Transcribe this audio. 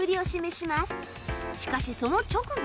しかしその直後。